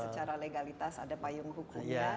secara legalitas ada payung hukumnya